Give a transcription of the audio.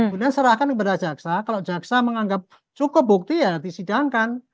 kemudian serahkan kepada jaksa kalau jaksa menganggap cukup bukti ya disidangkan